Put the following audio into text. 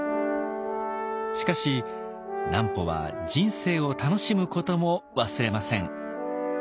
しかし南畝は人生を楽しむことも忘れません。